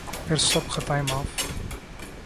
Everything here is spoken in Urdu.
پھر سب خطائیں معاف۔